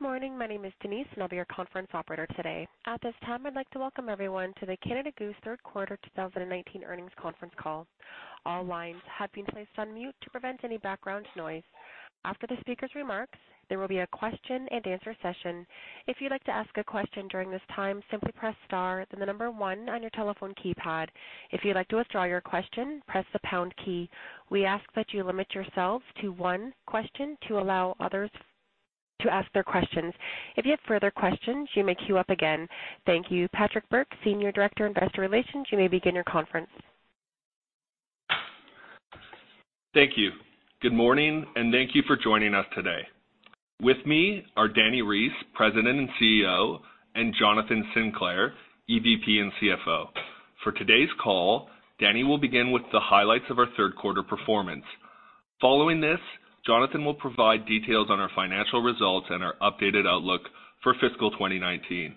Good morning. My name is Denise, and I'll be your conference operator today. At this time, I'd like to welcome everyone to the Canada Goose third quarter 2019 earnings conference call. All lines have been placed on mute to prevent any background noise. After the speaker's remarks, there will be a question and answer session. If you'd like to ask a question during this time, simply press star, then the number one on your telephone keypad. If you'd like to withdraw your question, press the pound key. We ask that you limit yourselves to one question to allow others to ask their questions. If you have further questions, you may queue up again. Thank you. Patrick Bourke, Senior Director, Investor Relations, you may begin your conference. Thank you. Good morning, and thank you for joining us today. With me are Dani Reiss, President and CEO, and Jonathan Sinclair, EVP and CFO. For today's call, Dani will begin with the highlights of our third quarter performance. Following this, Jonathan will provide details on our financial results and our updated outlook for fiscal 2019.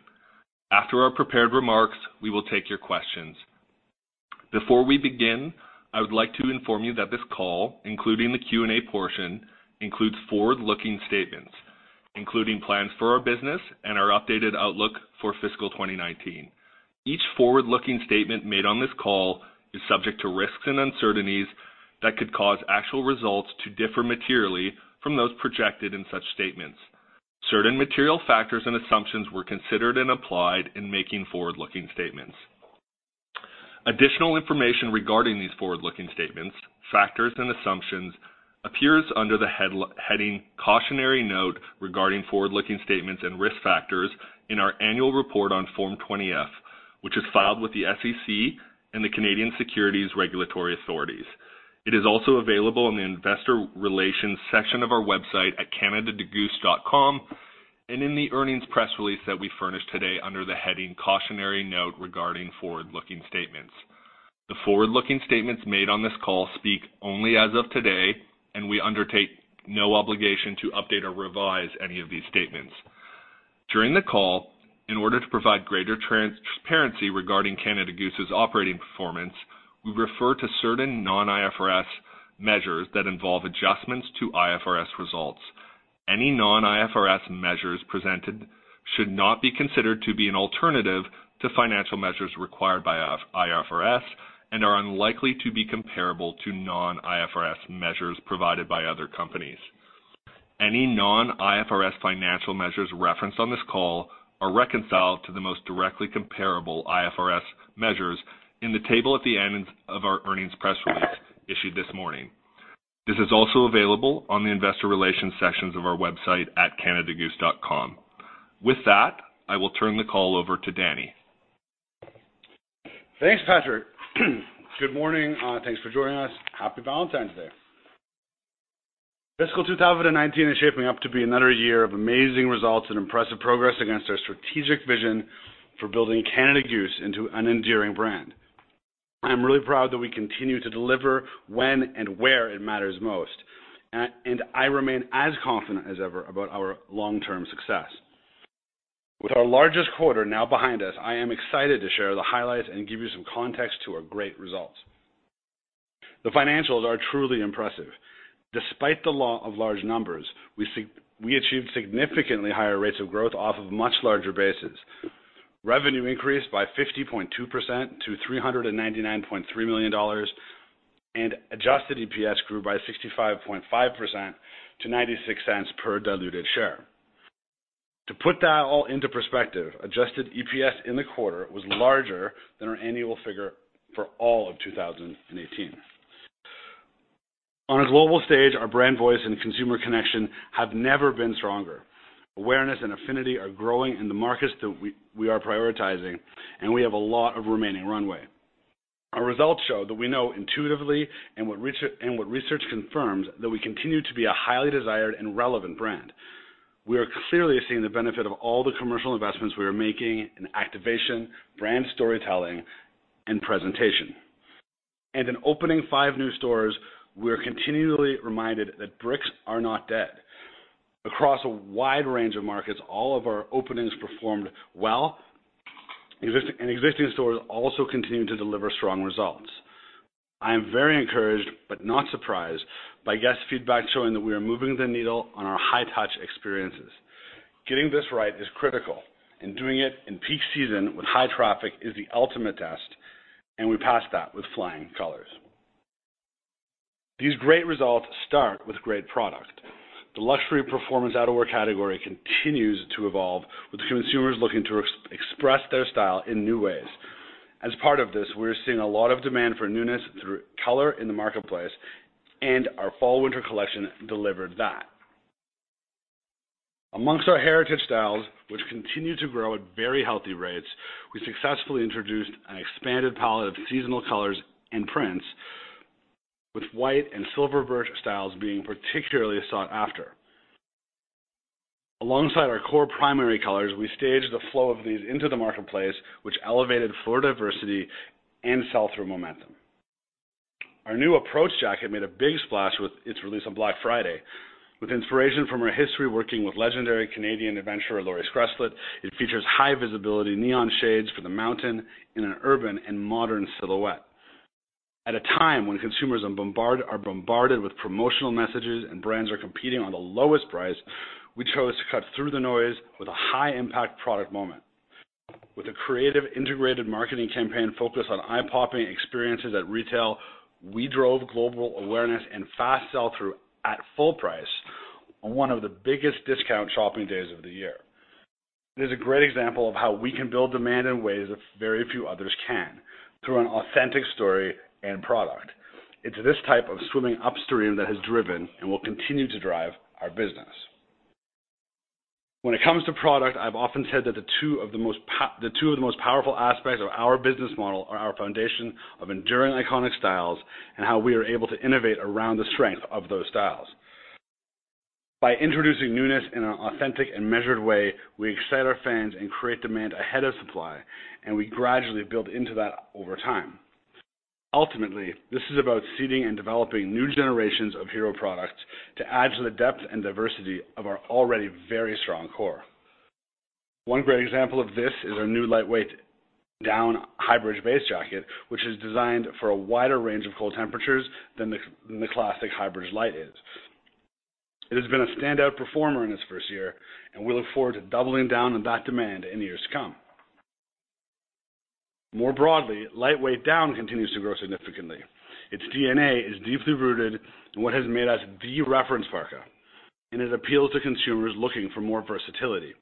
After our prepared remarks, we will take your questions. Before we begin, I would like to inform you that this call, including the Q&A portion, includes forward-looking statements, including plans for our business and our updated outlook for fiscal 2019. Each forward-looking statement made on this call is subject to risks and uncertainties that could cause actual results to differ materially from those projected in such statements. Certain material factors and assumptions were considered and applied in making forward-looking statements. Additional information regarding these forward-looking statements, factors, and assumptions appears under the heading, "Cautionary Note Regarding Forward-Looking Statements and Risk Factors" in our annual report on Form 20-F, which is filed with the SEC and the Canadian Securities Regulatory Authorities. It is also available in the investor relations section of our website at canadagoose.com, and in the earnings press release that we furnish today under the heading, "Cautionary Note Regarding Forward-Looking Statements." The forward-looking statements made on this call speak only as of today, and we undertake no obligation to update or revise any of these statements. During the call, in order to provide greater transparency regarding Canada Goose's operating performance, we refer to certain non-IFRS measures that involve adjustments to IFRS results. Any non-IFRS measures presented should not be considered to be an alternative to financial measures required by IFRS and are unlikely to be comparable to non-IFRS measures provided by other companies. Any non-IFRS financial measures referenced on this call are reconciled to the most directly comparable IFRS measures in the table at the end of our earnings press release issued this morning. This is also available on the investor relations sections of our website at canadagoose.com. With that, I will turn the call over to Dani. Thanks, Patrick. Good morning. Thanks for joining us. Happy Valentine's Day. Fiscal 2019 is shaping up to be another year of amazing results and impressive progress against our strategic vision for building Canada Goose into an enduring brand. I'm really proud that we continue to deliver when and where it matters most. I remain as confident as ever about our long-term success. With our largest quarter now behind us, I am excited to share the highlights and give you some context to our great results. The financials are truly impressive. Despite the law of large numbers, we achieved significantly higher rates of growth off of much larger bases. Revenue increased by 50.2% to 399.3 million dollars, and adjusted EPS grew by 65.5% to 0.96 per diluted share. To put that all into perspective, adjusted EPS in the quarter was larger than our annual figure for all of 2018. On a global stage, our brand voice and consumer connection have never been stronger. Awareness and affinity are growing in the markets that we are prioritizing, and we have a lot of remaining runway. Our results show that we know intuitively and what research confirms, that we continue to be a highly desired and relevant brand. We are clearly seeing the benefit of all the commercial investments we are making in activation, brand storytelling, and presentation. In opening five new stores, we're continually reminded that bricks are not dead. Across a wide range of markets, all of our openings performed well, and existing stores also continue to deliver strong results. I am very encouraged, but not surprised, by guest feedback showing that we are moving the needle on our high-touch experiences. Getting this right is critical, and doing it in peak season with high traffic is the ultimate test, and we passed that with flying colors. These great results start with great product. The luxury performance outerwear category continues to evolve with consumers looking to express their style in new ways. As part of this, we're seeing a lot of demand for newness through color in the marketplace, and our fall/winter collection delivered that. Amongst our heritage styles, which continue to grow at very healthy rates, we successfully introduced an expanded palette of seasonal colors and prints, with white and silverbirch styles being particularly sought after. Alongside our core primary colors, we staged the flow of these into the marketplace, which elevated floor diversity and sell-through momentum. Our new Approach Jacket made a big splash with its release on Black Friday. With inspiration from our history working with legendary Canadian adventurer Laurie Skreslet, it features high visibility neon shades for the mountain in an urban and modern silhouette. At a time when consumers are bombarded with promotional messages and brands are competing on the lowest price, we chose to cut through the noise with a high-impact product moment. With a creative integrated marketing campaign focused on eye-popping experiences at retail, we drove global awareness and fast sell-through at full price on one of the biggest discount shopping days of the year. It is a great example of how we can build demand in ways that very few others can, through an authentic story and product. It's this type of swimming upstream that has driven and will continue to drive our business. When it comes to product, I've often said that the two of the most powerful aspects of our business model are our foundation of enduring iconic styles and how we are able to innovate around the strength of those styles. By introducing newness in an authentic and measured way, we excite our fans and create demand ahead of supply, and we gradually build into that over time. Ultimately, this is about seeding and developing new generations of hero products to add to the depth and diversity of our already very strong core. One great example of this is our new lightweight down Hybridge Base Jacket, which is designed for a wider range of cold temperatures than the classic Hybridge Lite is. It has been a standout performer in its first year, and we look forward to doubling down on that demand in years to come. More broadly, lightweight down continues to grow significantly. Its DNA is deeply rooted in what has made us the reference parka, and it appeals to consumers looking for more versatility.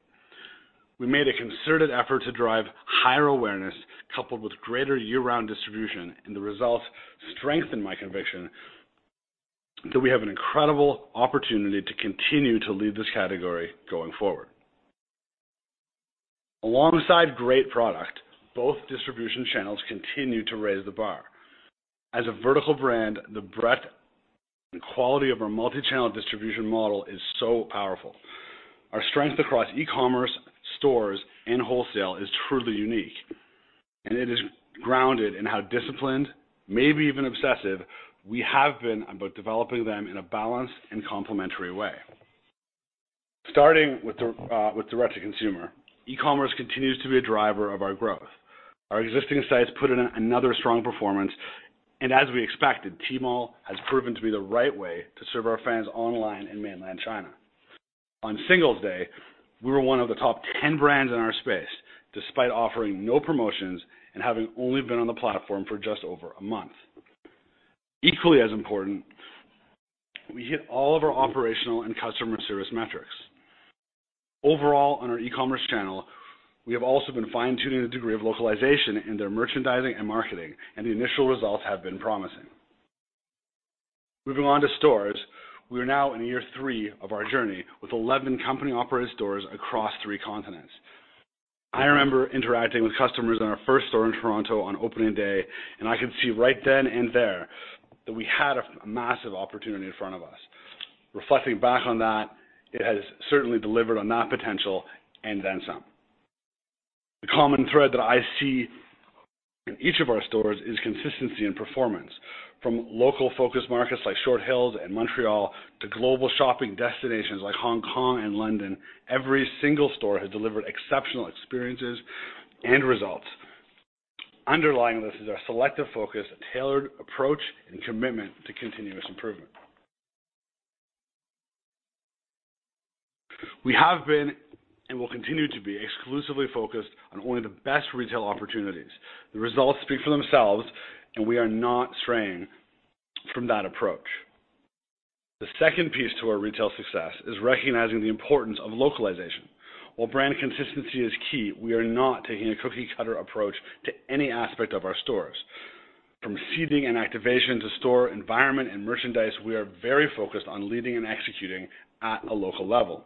We made a concerted effort to drive higher awareness coupled with greater year-round distribution. The results strengthen my conviction that we have an incredible opportunity to continue to lead this category going forward. Alongside great product, both distribution channels continue to raise the bar. As a vertical brand, the breadth and quality of our multi-channel distribution model is so powerful. Our strength across e-commerce, stores, and wholesale is truly unique, and it is grounded in how disciplined, maybe even obsessive, we have been about developing them in a balanced and complementary way. Starting with direct-to-consumer, e-commerce continues to be a driver of our growth. Our existing sites put in another strong performance. As we expected, Tmall has proven to be the right way to serve our fans online in mainland China. On Singles' Day, we were one of the top 10 brands in our space, despite offering no promotions and having only been on the platform for just over a month. Equally as important, we hit all of our operational and customer service metrics. Overall, on our e-commerce channel, we have also been fine-tuning the degree of localization in their merchandising and marketing, and the initial results have been promising. Moving on to stores, we are now in year three of our journey with 11 company-operated stores across three continents. I remember interacting with customers in our first store in Toronto on opening day, and I could see right then and there that we had a massive opportunity in front of us. Reflecting back on that, it has certainly delivered on that potential and then some. The common thread that I see in each of our stores is consistency in performance. From local-focused markets like Short Hills and Montreal to global shopping destinations like Hong Kong and London, every single store has delivered exceptional experiences and results. Underlying this is our selective focus, tailored approach, and commitment to continuous improvement. We have been, and will continue to be, exclusively focused on only the best retail opportunities. The results speak for themselves. We are not straying from that approach. The second piece to our retail success is recognizing the importance of localization. While brand consistency is key, we are not taking a cookie-cutter approach to any aspect of our stores. From seeding and activation to store environment and merchandise, we are very focused on leading and executing at a local level.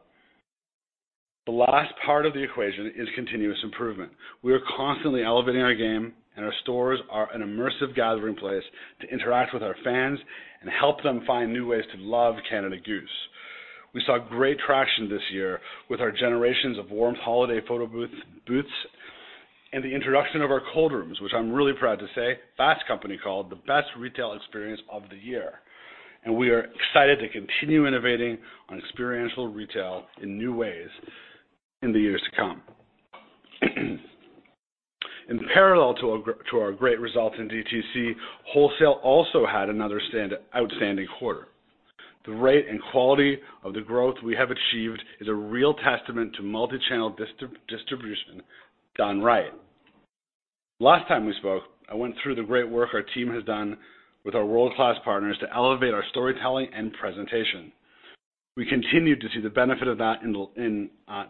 The last part of the equation is continuous improvement. We are constantly elevating our game, and our stores are an immersive gathering place to interact with our fans and help them find new ways to love Canada Goose. We saw great traction this year with our Generations of Warm holiday photo booths and the introduction of our Cold Rooms, which I am really proud to say, Fast Company called the best retail experience of the year. We are excited to continue innovating on experiential retail in new ways in the years to come. In parallel to our great results in DTC, wholesale also had another outstanding quarter. The rate and quality of the growth we have achieved is a real testament to multi-channel distribution done right. Last time we spoke, I went through the great work our team has done with our world-class partners to elevate our storytelling and presentation. We continued to see the benefit of that in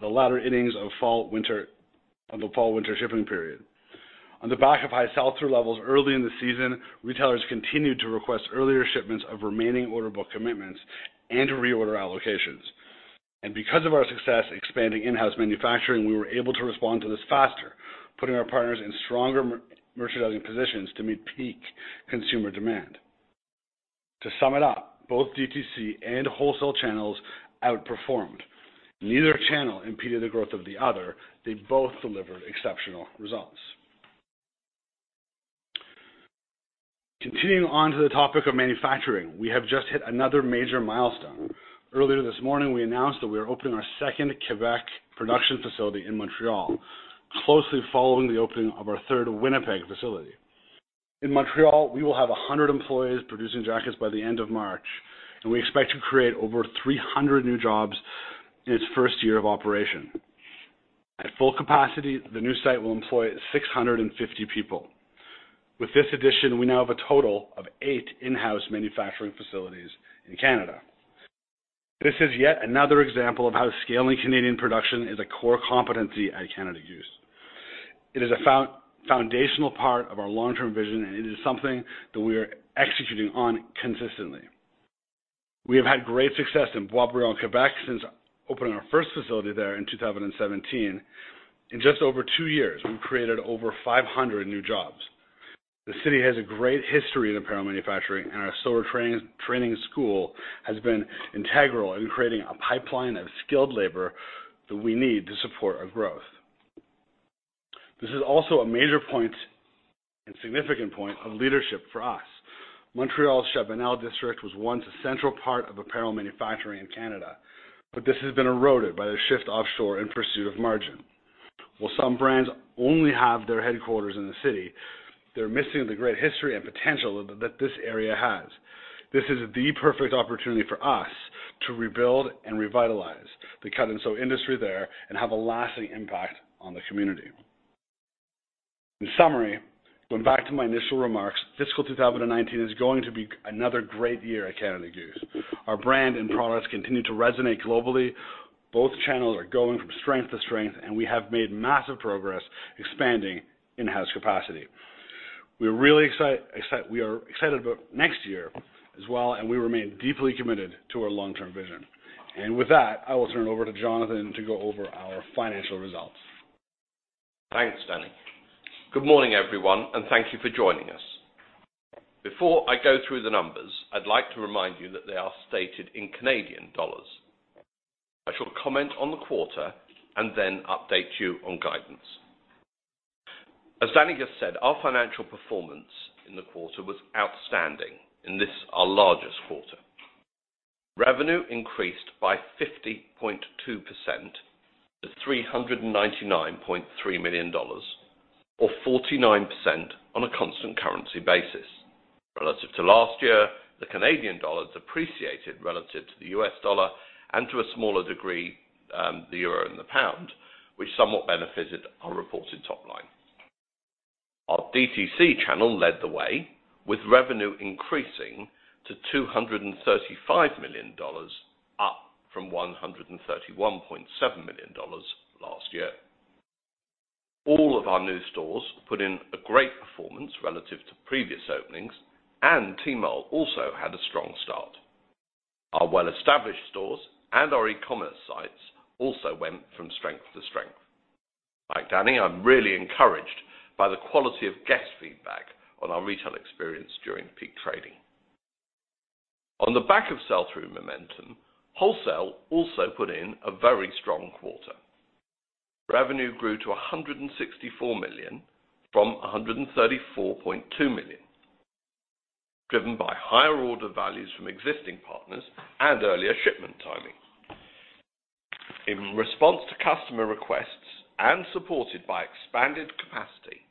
the latter innings of the fall-winter shipping period. On the back of high sell-through levels early in the season, retailers continued to request earlier shipments of remaining order book commitments and reorder allocations. Because of our success expanding in-house manufacturing, we were able to respond to this faster, putting our partners in stronger merchandising positions to meet peak consumer demand. To sum it up, both DTC and wholesale channels outperformed. Neither channel impeded the growth of the other. They both delivered exceptional results. Continuing on to the topic of manufacturing, we have just hit another major milestone. Earlier this morning, we announced that we are opening our second Quebec production facility in Montreal, closely following the opening of our third Winnipeg facility. In Montreal, we will have 100 employees producing jackets by the end of March, and we expect to create over 300 new jobs in its first year of operation. At full capacity, the new site will employ 650 people. With this addition, we now have a total of eight in-house manufacturing facilities in Canada. This is yet another example of how scaling Canadian production is a core competency at Canada Goose. It is a foundational part of our long-term vision, and it is something that we are executing on consistently. We have had great success in Boisbriand, Quebec, since opening our first facility there in 2017. In just over two years, we've created over 500 new jobs. The city has a great history in apparel manufacturing, and our sewer training school has been integral in creating a pipeline of skilled labor that we need to support our growth. This is also a major point and significant point of leadership for us. Montreal's Chabanel district was once a central part of apparel manufacturing in Canada, but this has been eroded by the shift offshore in pursuit of margin. While some brands only have their headquarters in the city, they're missing the great history and potential that this area has. This is the perfect opportunity for us to rebuild and revitalize the cut-and-sew industry there and have a lasting impact on the community. In summary, going back to my initial remarks, fiscal 2019 is going to be another great year at Canada Goose. Our brand and products continue to resonate globally. Both channels are going from strength to strength, and we have made massive progress expanding in-house capacity. We are excited about next year as well, and we remain deeply committed to our long-term vision. With that, I will turn over to Jonathan to go over our financial results. Thanks, Dani. Good morning, everyone, and thank you for joining us. Before I go through the numbers, I would like to remind you that they are stated in Canadian dollars. I shall comment on the quarter then update you on guidance. As Dani just said, our financial performance in the quarter was outstanding in this, our largest quarter. Revenue increased by 50.2% to 399.3 million dollars, or 49% on a constant currency basis. Relative to last year, the Canadian dollar depreciated relative to the U.S. dollar and to a smaller degree, the euro and the pound, which somewhat benefited our reported top line. Our DTC channel led the way, with revenue increasing to 235 million dollars, up from 131.7 million dollars last year. All of our new stores put in a great performance relative to previous openings, Tmall also had a strong start. Our well-established stores and our e-commerce sites also went from strength to strength. Like Dani, I am really encouraged by the quality of guest feedback on our retail experience during peak trading. On the back of sell-through momentum, wholesale also put in a very strong quarter. Revenue grew to 164 million from 134.2 million, driven by higher order values from existing partners earlier shipment timing. In response to customer requests and supported by expanded capacity,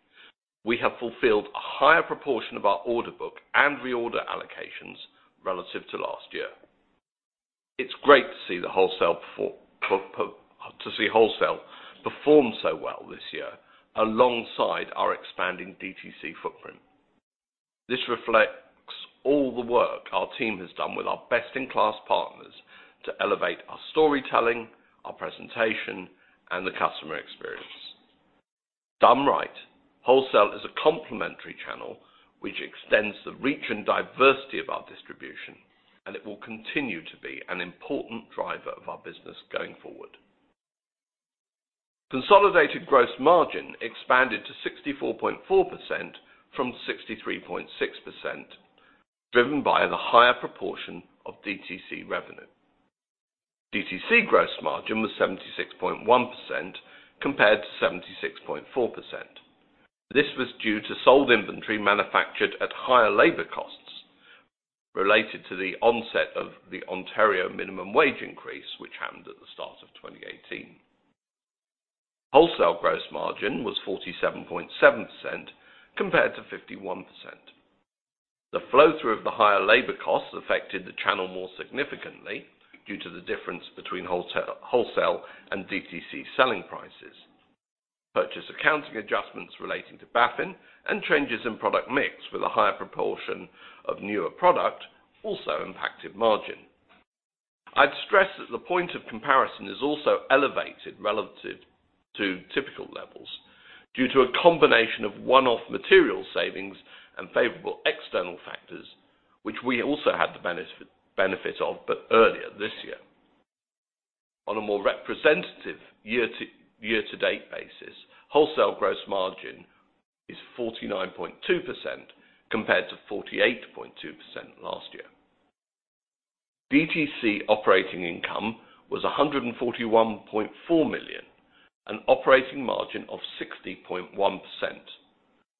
we have fulfilled a higher proportion of our order book reorder allocations relative to last year. It's great to see wholesale perform so well this year alongside our expanding DTC footprint. This reflects all the work our team has done with our best-in-class partners to elevate our storytelling, our presentation, the customer experience. Done right, wholesale is a complementary channel which extends the reach diversity of our distribution, it will continue to be an important driver of our business going forward. Consolidated gross margin expanded to 64.4% from 63.6%, driven by the higher proportion of DTC revenue. DTC gross margin was 76.1% compared to 76.4%. This was due to sold inventory manufactured at higher labor costs related to the onset of the Ontario minimum wage increase, which happened at the start of 2018. Wholesale gross margin was 47.7% compared to 51%. The flow-through of the higher labor costs affected the channel more significantly due to the difference between wholesale and DTC selling prices. Purchase accounting adjustments relating to Baffin and changes in product mix with a higher proportion of newer product also impacted margin. I'd stress that the point of comparison is also elevated relative to typical levels due to a combination of one-off material savings and favorable external factors, which we also had the benefit of but earlier this year. On a more representative year-to-date basis, wholesale gross margin is 49.2% compared to 48.2% last year. DTC operating income was 141.4 million, an operating margin of 60.1%.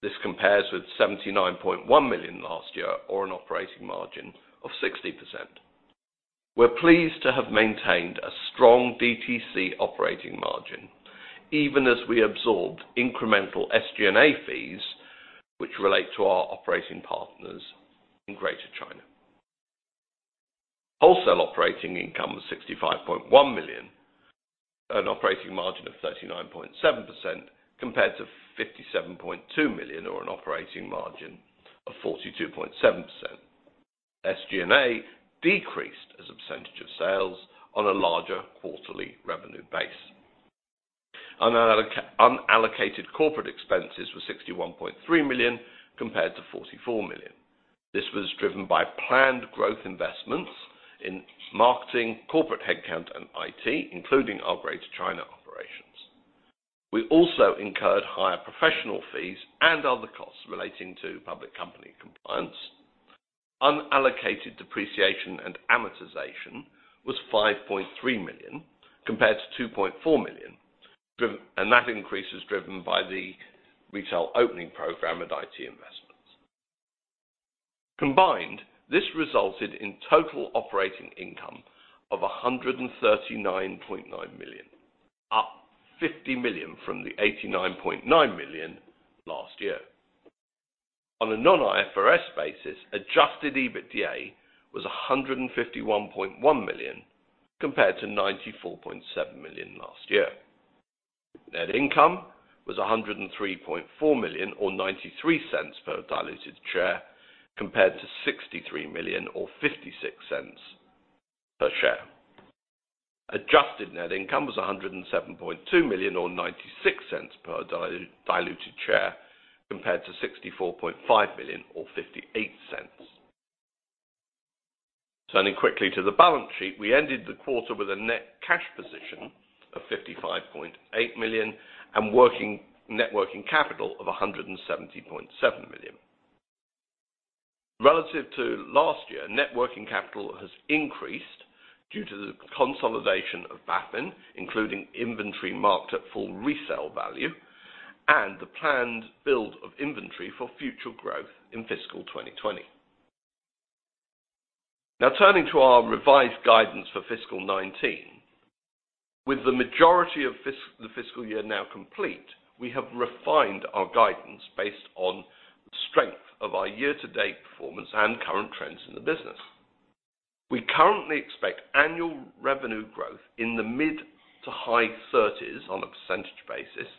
This compares with 79.1 million last year, or an operating margin of 60%. We're pleased to have maintained a strong DTC operating margin, even as we absorbed incremental SG&A fees, which relate to our operating partners in Greater China. Wholesale operating income was 65.1 million, an operating margin of 39.7% compared to 57.2 million, or an operating margin of 42.7%. SG&A decreased as a percentage of sales on a larger quarterly revenue base. Unallocated corporate expenses were 61.3 million compared to 44 million. This was driven by planned growth investments in marketing, corporate headcount, and IT, including our Greater China operations. We also incurred higher professional fees and other costs relating to public company compliance. Unallocated depreciation and amortization was 5.3 million compared to 2.4 million, and that increase is driven by the retail opening program and IT investments. Combined, this resulted in total operating income of 139.9 million, up 50 million from the 89.9 million last year. On a non-IFRS basis, adjusted EBITDA was 151.1 million compared to 94.7 million last year. Net income was 103.4 million or 0.93 per diluted share, compared to 63 million or 0.56 per share. Adjusted net income was 107.2 million or 0.96 per diluted share, compared to 64.5 million or 0.58. Turning quickly to the balance sheet, we ended the quarter with a net cash position of 55.8 million and net working capital of 170.7 million. Relative to last year, net working capital has increased due to the consolidation of Baffin, including inventory marked at full resale value, and the planned build of inventory for future growth in fiscal 2020. Now turning to our revised guidance for fiscal 2019. With the majority of the fiscal year now complete, we have refined our guidance based on the strength of our year-to-date performance and current trends in the business. We currently expect annual revenue growth in the mid to high 30s on a percentage basis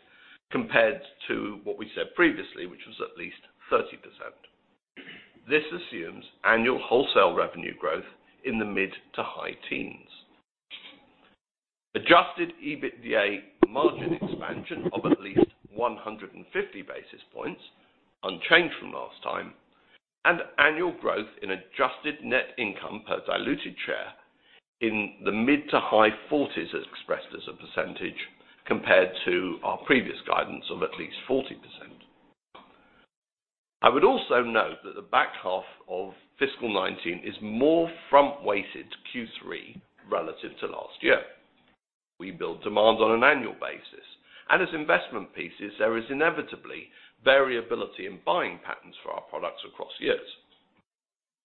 compared to what we said previously, which was at least 30%. This assumes annual wholesale revenue growth in the mid to high teens. Adjusted EBITDA margin expansion of at least 150 basis points, unchanged from last time, and annual growth in adjusted net income per diluted share in the mid to high 40s as expressed as a percentage, compared to our previous guidance of at least 40%. I would also note that the back half of fiscal 2019 is more front-weighted to Q3 relative to last year. We build demands on an annual basis, and as investment pieces, there is inevitably variability in buying patterns for our products across years.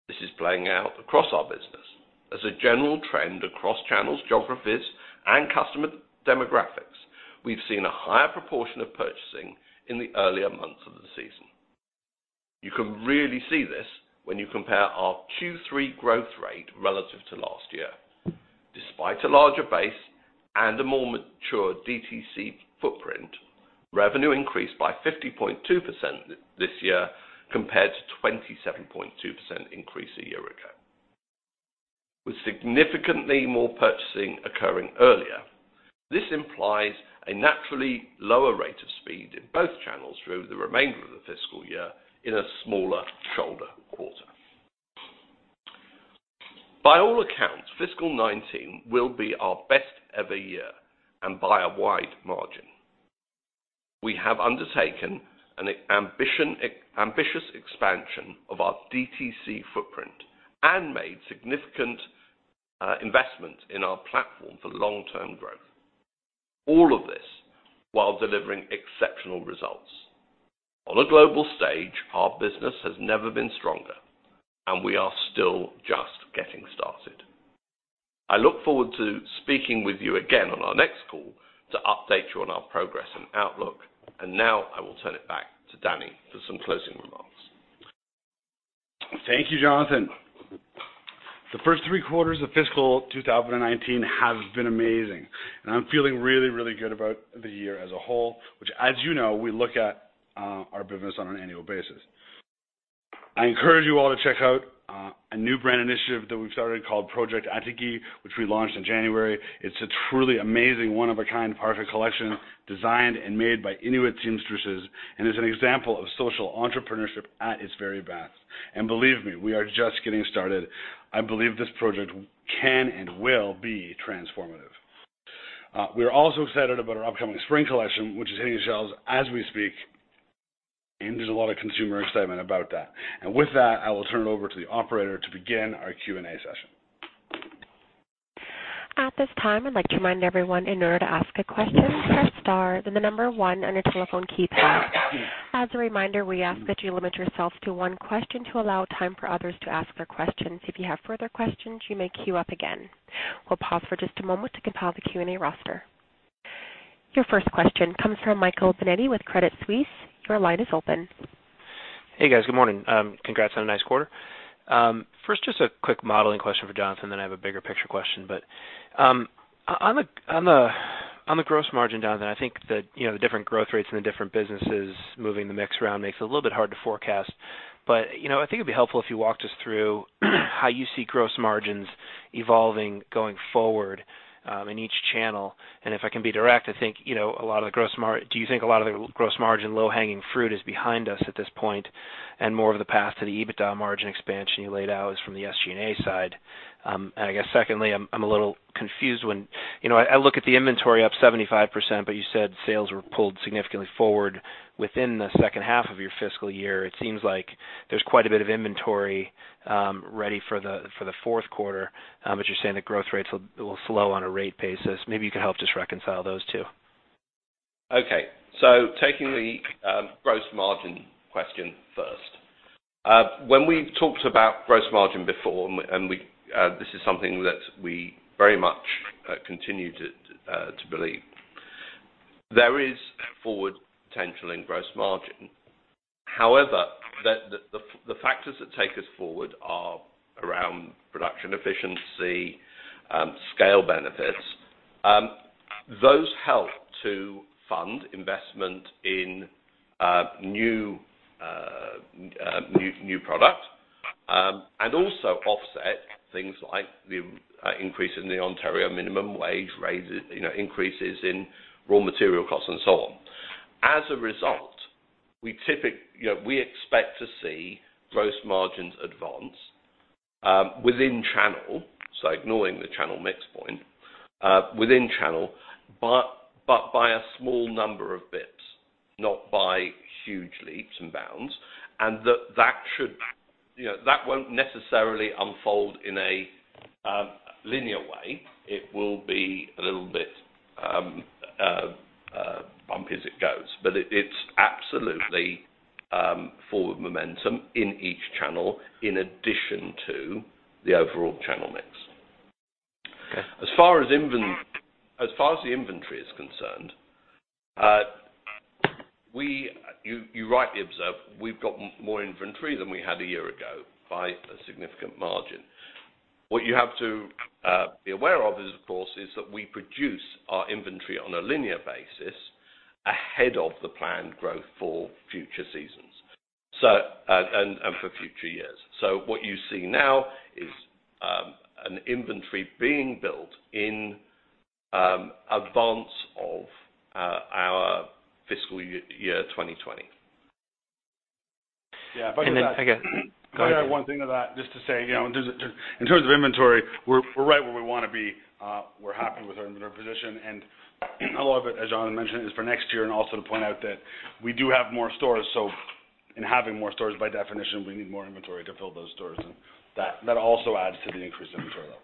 This is playing out across our business as a general trend across channels, geographies, and customer demographics. We've seen a higher proportion of purchasing in the earlier months of the season. You can really see this when you compare our Q3 growth rate relative to last year. Despite a larger base and a more mature DTC footprint, revenue increased by 50.2% this year, compared to 27.2% increase a year ago. With significantly more purchasing occurring earlier, this implies a naturally lower rate of speed in both channels through the remainder of the fiscal year in a smaller shoulder quarter. By all accounts, fiscal 2019 will be our best ever year and by a wide margin. We have undertaken an ambitious expansion of our DTC footprint and made significant investment in our platform for long-term growth. All of this while delivering exceptional results. On a global stage, our business has never been stronger, and we are still just getting started. I look forward to speaking with you again on our next call to update you on our progress and outlook. Now I will turn it back to Dani for some closing remarks. Thank you, Jonathan. The first three quarters of fiscal 2019 have been amazing, and I'm feeling really, really good about the year as a whole, which, as you know, we look at our business on an annual basis. I encourage you all to check out a new brand initiative that we've started called Project Atigi, which we launched in January. It's a truly amazing, one-of-a-kind artwork collection designed and made by Inuit seamstresses, and is an example of social entrepreneurship at its very best. Believe me, we are just getting started. I believe this project can and will be transformative. We are also excited about our upcoming spring collection, which is hitting shelves as we speak, and there's a lot of consumer excitement about that. With that, I will turn it over to the operator to begin our Q&A session. At this time, I'd like to remind everyone, in order to ask a question, press star, then the number one on your telephone keypad. As a reminder, we ask that you limit yourself to one question to allow time for others to ask their questions. If you have further questions, you may queue up again. We'll pause for just a moment to compile the Q&A roster. Your first question comes from Michael Binetti with Credit Suisse. Your line is open. Hey, guys. Good morning. Congrats on a nice quarter. First, just a quick modeling question for Jonathan, then I have a bigger picture question. On the gross margin, Jonathan, I think that the different growth rates in the different businesses moving the mix around makes it a little bit hard to forecast. I think it'd be helpful if you walked us through how you see gross margins evolving going forward, in each channel. If I can be direct, do you think a lot of the gross margin low-hanging fruit is behind us at this point and more of the path to the EBITDA margin expansion you laid out is from the SG&A side? I guess secondly, I'm a little confused when I look at the inventory up 75%, but you said sales were pulled significantly forward within the second half of your fiscal year. It seems like there's quite a bit of inventory ready for the fourth quarter. You're saying the growth rates will slow on a rate basis. Maybe you could help just reconcile those two. Okay. Taking the gross margin question first. When we've talked about gross margin before. This is something that we very much continue to believe. There is forward potential in gross margin. However, the factors that take us forward are around production efficiency, scale benefits. Those help to fund investment in new product, and also offset things like the increase in the Ontario minimum wage raises, increases in raw material costs and so on. As a result, we expect to see gross margins advance within channel, so ignoring the channel mix point, within channel, but by a small number of bips, not by huge leaps and bounds, and that won't necessarily unfold in a linear way. It will be a little bit bumpy as it goes. It's absolutely forward momentum in each channel, in addition to the overall channel mix. Okay. As far as the inventory is concerned, you rightly observed, we've got more inventory than we had a year ago by a significant margin. What you have to be aware of course, is that we produce our inventory on a linear basis ahead of the planned growth for future seasons and for future years. What you see now is an inventory being built in advance of our fiscal year 2020. Yeah. If I could add. I guess, go ahead. If I could add one thing to that, just to say, in terms of inventory, we're right where we want to be. We're happy with our inventory position. A lot of it, as Jonathan mentioned, is for next year. Also to point out that we do have more stores, in having more stores, by definition, we need more inventory to fill those stores, and that also adds to the increase in inventory level.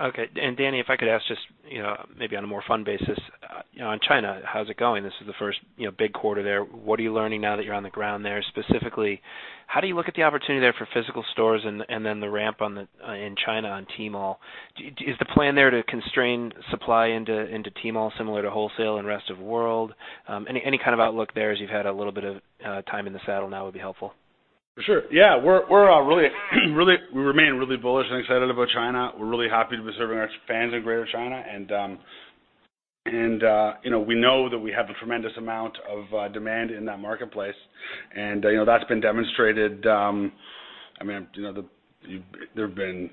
Okay. Dani, if I could ask just maybe on a more fun basis. On China, how's it going? This is the first big quarter there. What are you learning now that you're on the ground there? Specifically, how do you look at the opportunity there for physical stores and then the ramp in China on Tmall? Is the plan there to constrain supply into Tmall similar to wholesale and rest of world? Any kind of outlook there as you've had a little bit of time in the saddle now would be helpful. For sure. Yeah. We remain really bullish and excited about China. We're really happy to be serving our fans in Greater China. We know that we have a tremendous amount of demand in that marketplace. That's been demonstrated. There have been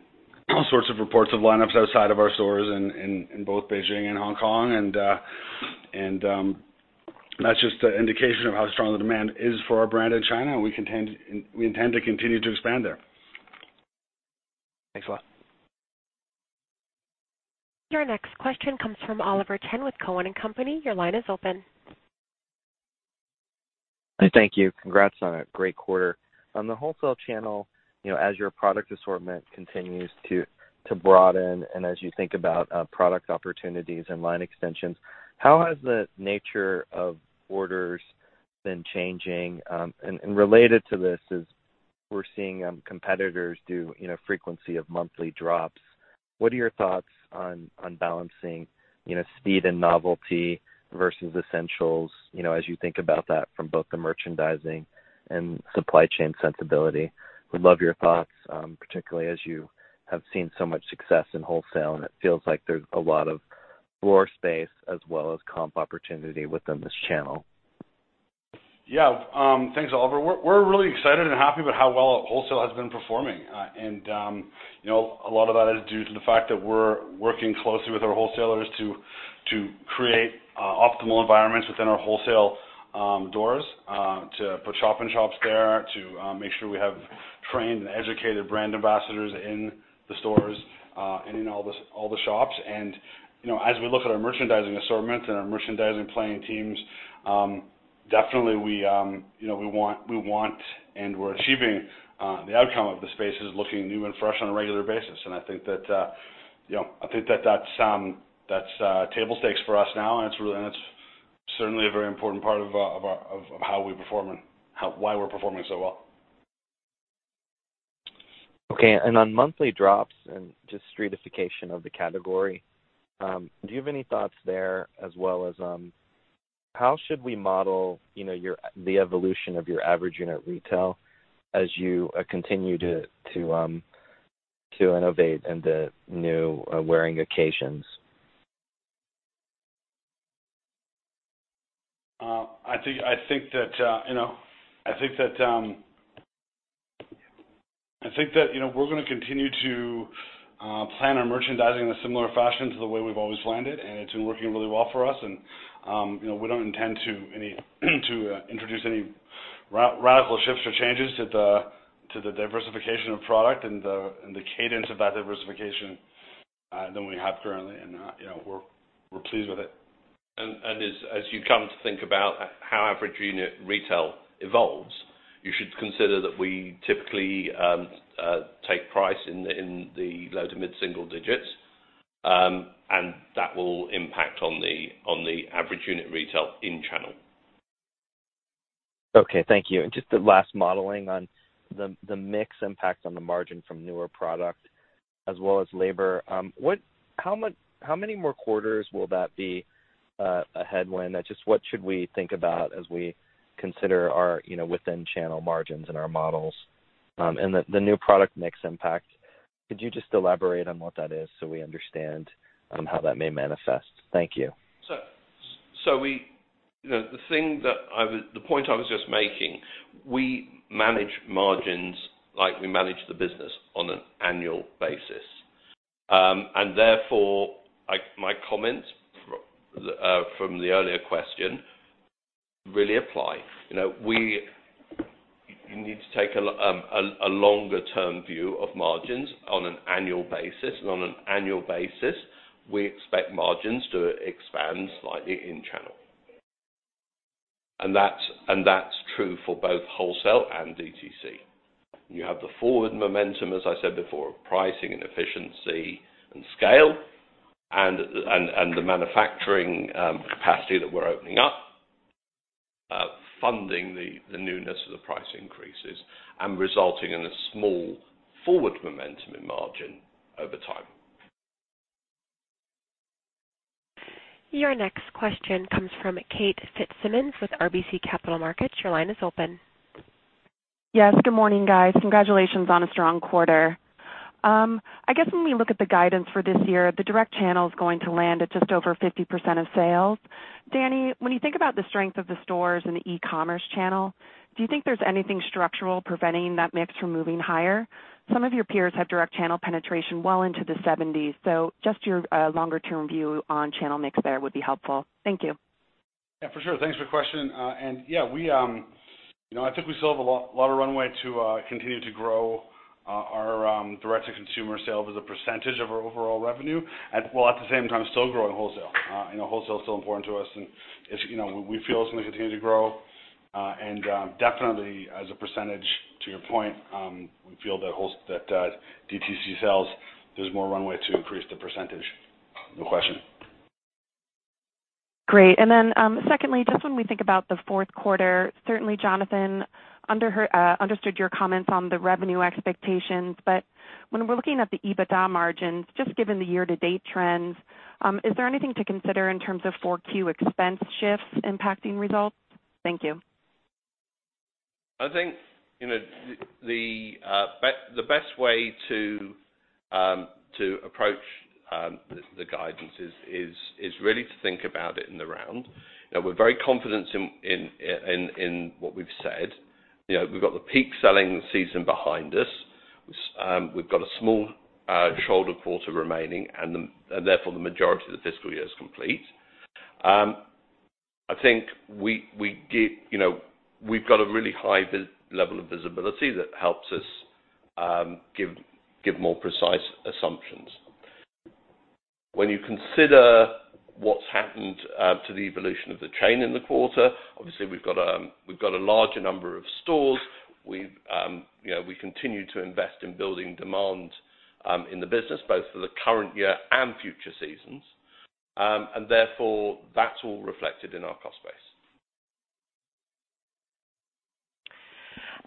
all sorts of reports of lineups outside of our stores in both Beijing and Hong Kong, and that's just an indication of how strong the demand is for our brand in China, and we intend to continue to expand there. Thanks a lot. Your next question comes from Oliver Chen with Cowen and Company. Your line is open. Thank you. Congrats on a great quarter. On the wholesale channel, as your product assortment continues to broaden and as you think about product opportunities and line extensions, how has the nature of orders been changing? Related to this is we're seeing competitors do frequency of monthly drops. What are your thoughts on balancing speed and novelty versus essentials as you think about that from both the merchandising and supply chain sensibility? Would love your thoughts, particularly as you have seen so much success in wholesale, and it feels like there's a lot of floor space as well as comp opportunity within this channel. Yeah. Thanks, Oliver. We're really excited and happy about how well wholesale has been performing. A lot of that is due to the fact that we're working closely with our wholesalers to create optimal environments within our wholesale doors, to put shop in shops there, to make sure we have trained and educated brand ambassadors in the stores and in all the shops. As we look at our merchandising assortment and our merchandising planning teams. Definitely, we want and we're achieving the outcome of the spaces looking new and fresh on a regular basis. I think that's table stakes for us now, and it's certainly a very important part of how we perform and why we're performing so well. Okay. On monthly drops and just streetification of the category, do you have any thoughts there as well as how should we model the evolution of your average unit retail as you continue to innovate in the new wearing occasions? I think that we're going to continue to plan our merchandising in a similar fashion to the way we've always planned it, and it's been working really well for us. We don't intend to introduce any radical shifts or changes to the diversification of product and the cadence of that diversification than we have currently. We're pleased with it. As you come to think about how average unit retail evolves, you should consider that we typically take price in the low to mid-single digits, and that will impact on the average unit retail in-channel. Okay. Thank you. Just the last modeling on the mix impact on the margin from newer product as well as labor. How many more quarters will that be a headwind? Just what should we think about as we consider our within channel margins and our models, and the new product mix impact. Could you just elaborate on what that is so we understand how that may manifest? Thank you. The point I was just making, we manage margins like we manage the business on an annual basis. Therefore, my comments from the earlier question really apply. You need to take a longer-term view of margins on an annual basis. On an annual basis, we expect margins to expand slightly in-channel. That's true for both wholesale and DTC. You have the forward momentum, as I said before, of pricing and efficiency and scale and the manufacturing capacity that we're opening up, funding the newness of the price increases and resulting in a small forward momentum in margin over time. Your next question comes from Kate Fitzsimons with RBC Capital Markets. Your line is open. Yes. Good morning, guys. Congratulations on a strong quarter. I guess when we look at the guidance for this year, the direct channel is going to land at just over 50% of sales. Dani, when you think about the strength of the stores and the e-commerce channel, do you think there's anything structural preventing that mix from moving higher? Some of your peers have direct channel penetration well into the 70s, just your longer-term view on channel mix there would be helpful. Thank you. Yeah, for sure. Thanks for the question. Yeah, I think we still have a lot of runway to continue to grow our direct-to-consumer sales as a percentage of our overall revenue, while at the same time still growing wholesale. Wholesale is still important to us, and we feel it's going to continue to grow. Definitely as a percentage, to your point, we feel that DTC sales, there's more runway to increase the percentage. No question. Great. Secondly, just when we think about the fourth quarter, certainly, Jonathan, understood your comments on the revenue expectations. When we're looking at the EBITDA margins, just given the year-to-date trends, is there anything to consider in terms of 4Q expense shifts impacting results? Thank you. I think the best way to approach the guidance is really to think about it in the round. We're very confident in what we've said. We've got the peak selling season behind us. We've got a small shoulder quarter remaining, therefore the majority of the fiscal year is complete. I think we've got a really high level of visibility that helps us give more precise assumptions. When you consider what's happened to the evolution of the chain in the quarter, obviously we've got a larger number of stores. We continue to invest in building demand in the business, both for the current year and future seasons. Therefore, that's all reflected in our cost base.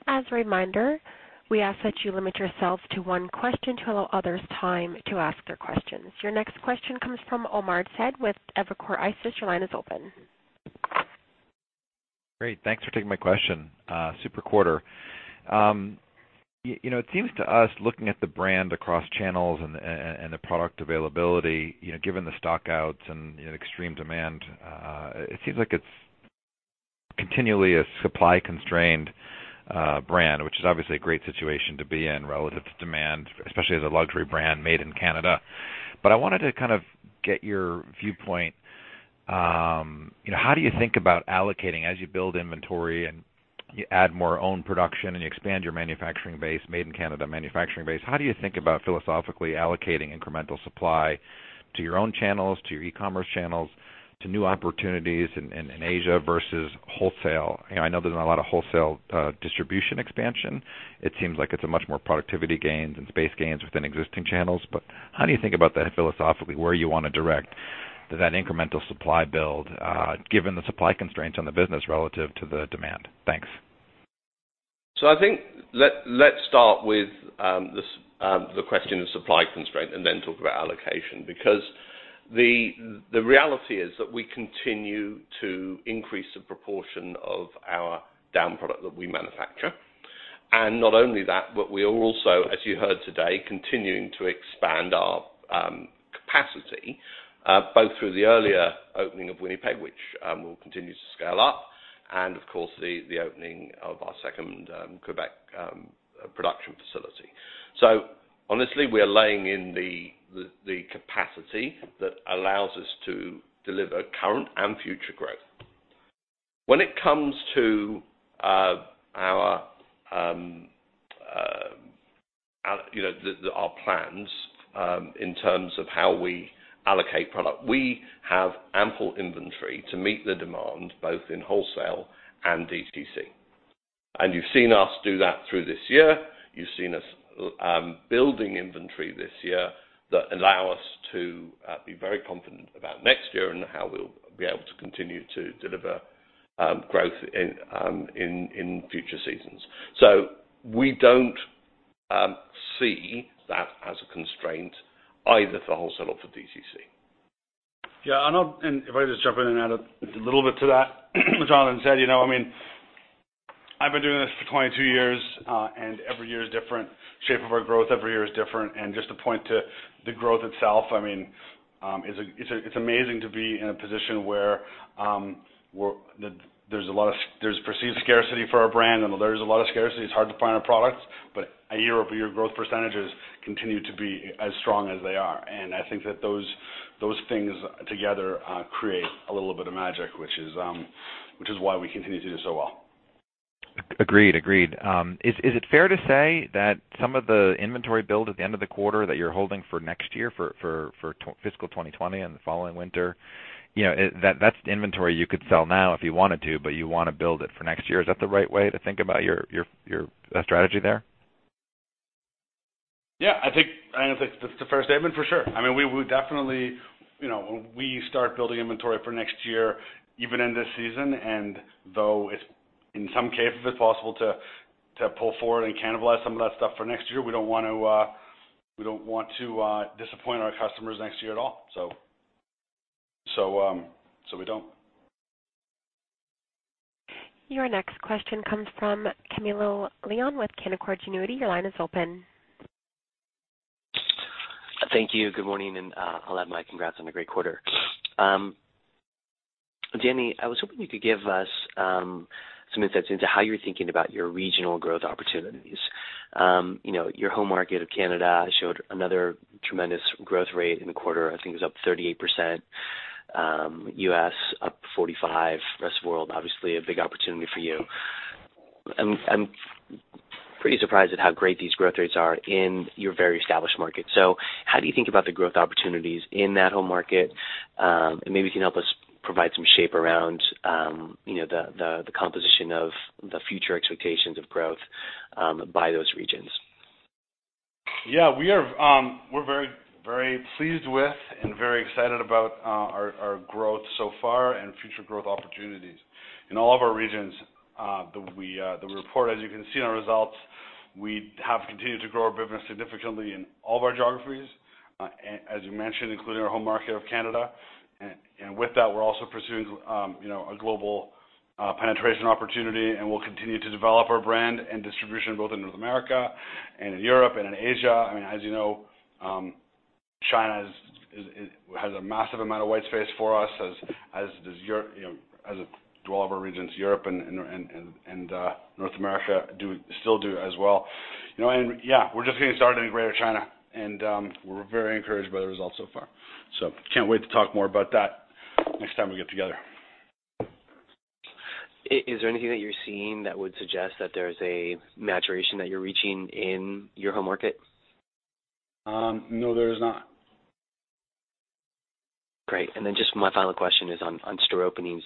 As a reminder, we ask that you limit yourself to one question to allow others time to ask their questions. Your next question comes from Omar Saad with Evercore ISI. Your line is open. Great. Thanks for taking my question. Super quarter. It seems to us, looking at the brand across channels and the product availability, given the stock-outs and extreme demand, it seems like it's continually a supply-constrained brand, which is obviously a great situation to be in relative to demand, especially as a luxury brand made in Canada. I wanted to get your viewpoint. How do you think about allocating as you build inventory and you add more own production and you expand your manufacturing base, made in Canada manufacturing base. How do you think about philosophically allocating incremental supply to your own channels, to your e-commerce channels, to new opportunities in Asia versus wholesale? I know there's not a lot of wholesale distribution expansion. It seems like it's a much more productivity gains and space gains within existing channels. How do you think about that philosophically, where you want to direct that incremental supply build, given the supply constraints on the business relative to the demand? Thanks. I think, let's start with the question of supply constraint and then talk about allocation. The reality is that we continue to increase the proportion of our down product that we manufacture. Not only that, but we are also, as you heard today, continuing to expand our capacity, both through the earlier opening of Winnipeg, which we'll continue to scale up, and of course, the opening of our second Quebec production facility. Honestly, we are laying in the capacity that allows us to deliver current and future growth. When it comes to our plans in terms of how we allocate product, we have ample inventory to meet the demand, both in wholesale and DTC. You've seen us do that through this year. You've seen us building inventory this year that allow us to be very confident about next year and how we'll be able to continue to deliver growth in future seasons. We don't see that as a constraint either for wholesale or for DTC. If I just jump in and add a little bit to that what Jonathan said. I've been doing this for 22 years, every year is different. Shape of our growth every year is different. Just to point to the growth itself, it's amazing to be in a position where there's perceived scarcity for our brand, there is a lot of scarcity. It's hard to find our products, year-over-year growth percentages continue to be as strong as they are. I think that those things together create a little bit of magic, which is why we continue to do so well. Agreed. Is it fair to say that some of the inventory build at the end of the quarter that you're holding for next year, for fiscal 2020 and the following winter, that's inventory you could sell now if you wanted to, you want to build it for next year. Is that the right way to think about your strategy there? I think that's the first statement, for sure. We start building inventory for next year, even in this season, though in some cases it's possible to pull forward and cannibalize some of that stuff for next year, we don't want to disappoint our customers next year at all. So, we don't. Your next question comes from Camilo Lyon with Canaccord Genuity. Your line is open. Thank you. Good morning, and I'll add my congrats on the great quarter. Dani, I was hoping you could give us some insights into how you're thinking about your regional growth opportunities. Your home market of Canada showed another tremendous growth rate in the quarter. I think it was up 38%, U.S. up 45%, rest of world, obviously a big opportunity for you. I'm pretty surprised at how great these growth rates are in your very established market. How do you think about the growth opportunities in that home market? Maybe you can help us provide some shape around the composition of the future expectations of growth by those regions. We're very pleased with and very excited about our growth so far and future growth opportunities in all of our regions. The report, as you can see in our results, we have continued to grow our business significantly in all of our geographies, as you mentioned, including our home market of Canada. With that, we're also pursuing a global penetration opportunity, and we'll continue to develop our brand and distribution both in North America and in Europe and in Asia. As you know, China has a massive amount of white space for us, as do all of our regions, Europe and North America still do as well. We're just getting started in Greater China, and we're very encouraged by the results so far. Can't wait to talk more about that next time we get together. Is there anything that you're seeing that would suggest that there's a maturation that you're reaching in your home market? No, there is not. Great. Just my final question is on store openings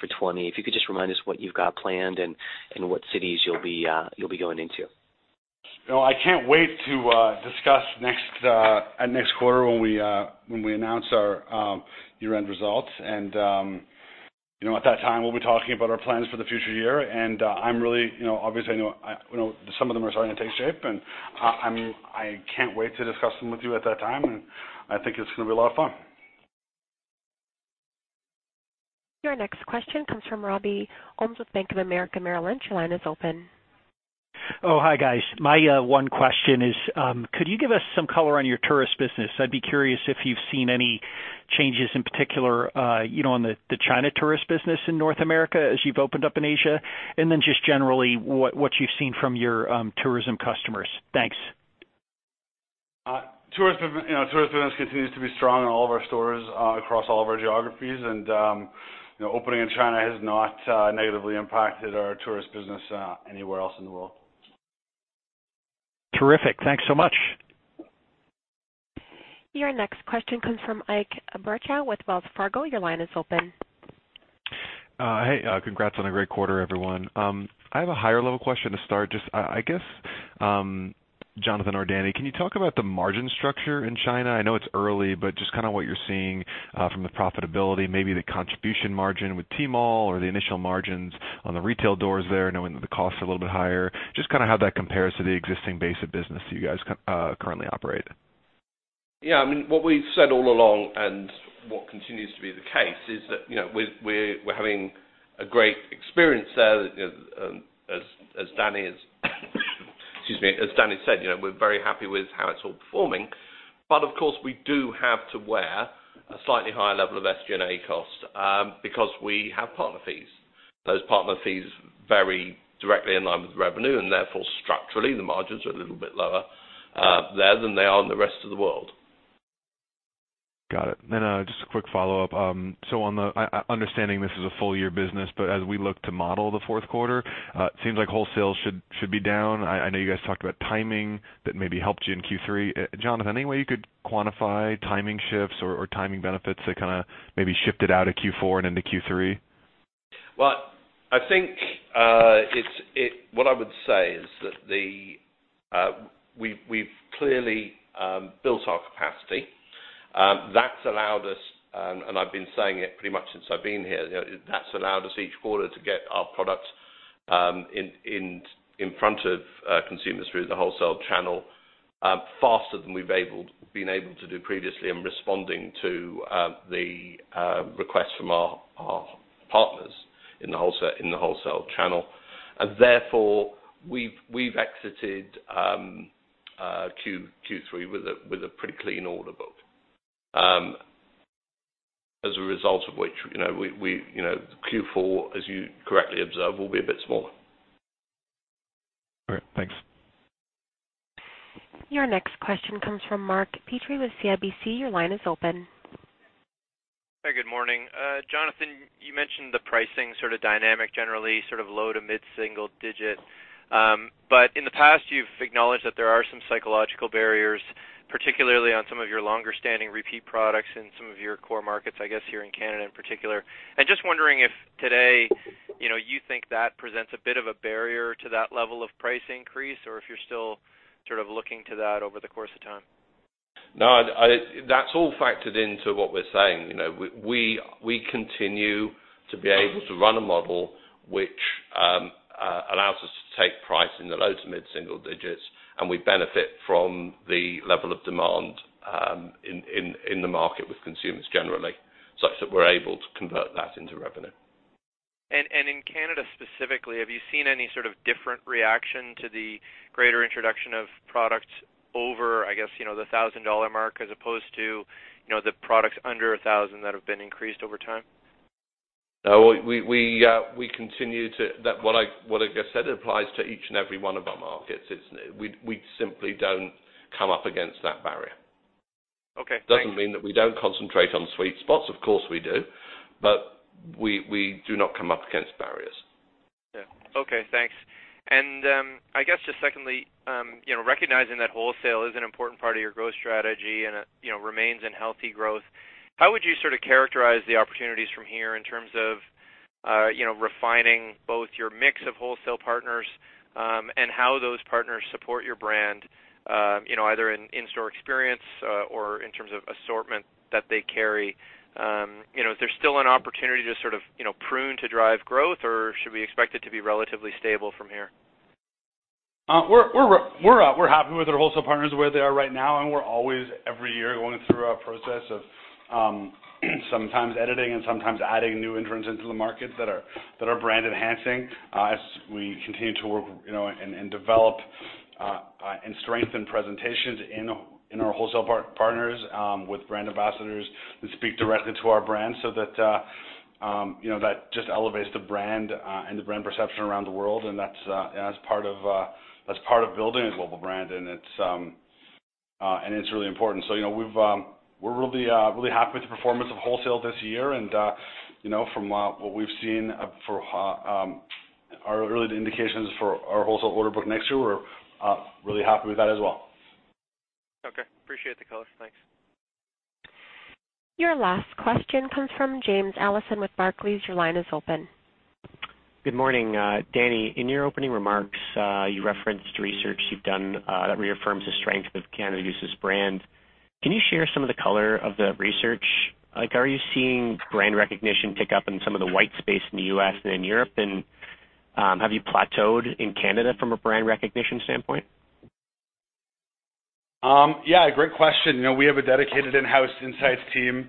for 2020. If you could just remind us what you've got planned and what cities you'll be going into? I can't wait to discuss at next quarter when we announce our year-end results. At that time, we'll be talking about our plans for the future year. Obviously I know some of them are starting to take shape, and I can't wait to discuss them with you at that time, and I think it's going to be a lot of fun. Your next question comes from Robbie Holmes with Bank of America Merrill Lynch. Your line is open. Oh, hi guys. My one question is, could you give us some color on your tourist business? I'd be curious if you've seen any changes in particular on the China tourist business in North America as you've opened up in Asia, and then just generally what you've seen from your tourism customers. Thanks. Tourist business continues to be strong in all of our stores across all of our geographies. Opening in China has not negatively impacted our tourist business anywhere else in the world. Terrific. Thanks so much. Your next question comes from Ike Boruchow with Wells Fargo. Your line is open. Hey, congrats on a great quarter, everyone. I have a higher-level question to start. Just, I guess, Jonathan or Dani, can you talk about the margin structure in China? I know it's early, but just what you're seeing from the profitability, maybe the contribution margin with Tmall or the initial margins on the retail doors there, knowing that the costs are a little bit higher, just how that compares to the existing base of business that you guys currently operate. Yeah. What we've said all along and what continues to be the case is that, we're having a great experience there. Excuse me. As Dani said, we're very happy with how it's all performing. Of course, we do have to wear a slightly higher level of SG&A cost, because we have partner fees. Those partner fees vary directly in line with revenue. Therefore structurally, the margins are a little bit lower there than they are in the rest of the world. Got it. Just a quick follow-up. Understanding this is a full year business, as we look to model the fourth quarter, it seems like wholesale should be down. I know you guys talked about timing that maybe helped you in Q3. Jonathan, any way you could quantify timing shifts or timing benefits that maybe shifted out of Q4 and into Q3? Well, I think, what I would say is that we've clearly built our capacity. That's allowed us, I've been saying it pretty much since I've been here, that's allowed us each quarter to get our product in front of consumers through the wholesale channel, faster than we've been able to do previously in responding to the requests from our partners in the wholesale channel. Therefore, we've exited Q3 with a pretty clean order book. As a result of which, Q4, as you correctly observed, will be a bit smaller. All right. Thanks. Your next question comes from Mark Petrie with CIBC. Your line is open. Hey, good morning. Jonathan, you mentioned the pricing dynamic generally low to mid-single digit. In the past, you've acknowledged that there are some psychological barriers, particularly on some of your longer-standing repeat products in some of your core markets, I guess, here in Canada in particular. I'm just wondering if today, you think that presents a bit of a barrier to that level of price increase, or if you're still looking to that over the course of time? No, that's all factored into what we're saying. We continue to be able to run a model which allows us to take price in the low to mid-single digits. We benefit from the level of demand in the market with consumers generally, such that we're able to convert that into revenue. In Canada specifically, have you seen any sort of different reaction to the greater introduction of products over, I guess, the 1,000 dollar mark as opposed to the products under 1,000 that have been increased over time? No. What I just said applies to each and every one of our markets. We simply don't come up against that barrier. Okay. Thanks. Doesn't mean that we don't concentrate on sweet spots. Of course, we do. We do not come up against barriers. Yeah. Okay, thanks. I guess just secondly, recognizing that wholesale is an important part of your growth strategy and remains in healthy growth, how would you characterize the opportunities from here in terms of refining both your mix of wholesale partners, and how those partners support your brand, either in-store experience or in terms of assortment that they carry? Is there still an opportunity to prune to drive growth, or should we expect it to be relatively stable from here? We're happy with our wholesale partners where they are right now. We're always every year going through a process of sometimes editing and sometimes adding new entrants into the market that are brand enhancing. We continue to work and develop, and strengthen presentations in our wholesale partners with brand ambassadors who speak directly to our brand so that just elevates the brand, and the brand perception around the world. That's part of building a global brand. It's really important. We're really happy with the performance of wholesale this year, and from what we've seen, our early indications for our wholesale order book next year, we're really happy with that as well. Okay. Appreciate the color. Thanks. Your last question comes from James Allison with Barclays. Your line is open. Good morning. Dani, in your opening remarks, you referenced research you've done that reaffirms the strength of Canada Goose's brand. Can you share some of the color of the research? Are you seeing brand recognition tick up in some of the white space in the U.S. and in Europe? Have you plateaued in Canada from a brand recognition standpoint? Great question. We have a dedicated in-house insights team,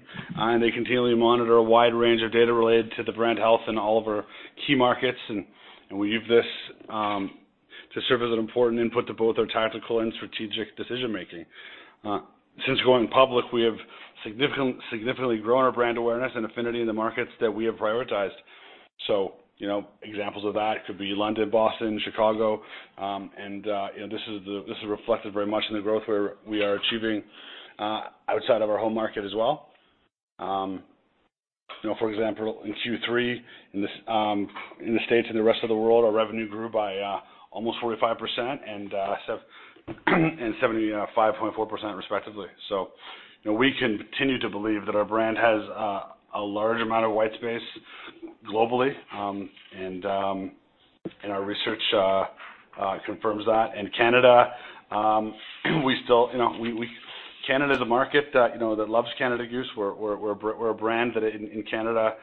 they continually monitor a wide range of data related to the brand health in all of our key markets, we use this to serve as an important input to both our tactical and strategic decision making. Since going public, we have significantly grown our brand awareness and affinity in the markets that we have prioritized. Examples of that could be London, Boston, Chicago, this is reflected very much in the growth we are achieving outside of our home market as well. For example, in Q3, in the U.S. and the rest of the world, our revenue grew by almost 45% and 75.4% respectively. We continue to believe that our brand has a large amount of white space globally, our research confirms that. Canada is a market that loves Canada Goose. We're a brand that in Canada,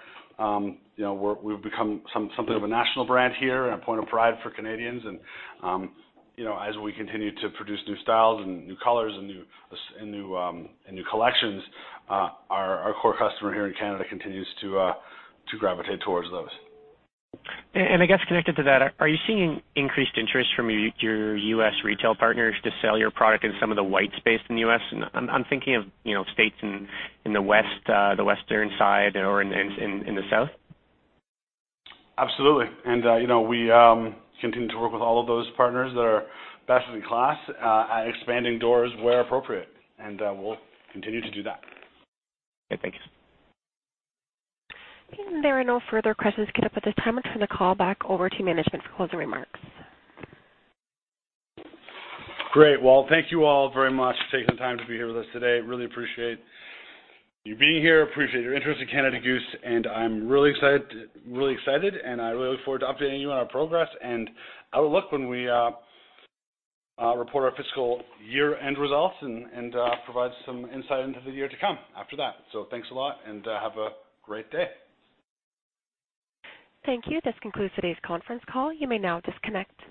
we've become something of a national brand here and a point of pride for Canadians. As we continue to produce new styles and new colors and new collections, our core customer here in Canada continues to gravitate towards those. I guess connected to that, are you seeing increased interest from your U.S. retail partners to sell your product in some of the white space in the U.S.? I'm thinking of states in the Western side or in the South. Absolutely. We continue to work with all of those partners that are best in class at expanding doors where appropriate, we'll continue to do that. Okay, thank you. There are no further questions queued up at this time. I turn the call back over to management for closing remarks. Great. Well, thank you all very much for taking the time to be here with us today. Really appreciate you being here, appreciate your interest in Canada Goose, and I'm really excited, and I really look forward to updating you on our progress and outlook when we report our fiscal year-end results and provide some insight into the year to come after that. Thanks a lot and have a great day. Thank you. This concludes today's conference call. You may now disconnect.